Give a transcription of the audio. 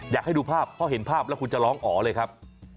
อยากให้ดูภาพเพราะเห็นภาพแล้วคุณจะร้องอ๋อเลยครับ